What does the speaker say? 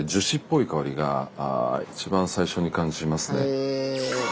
へえ。